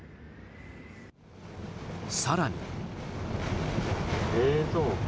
更に。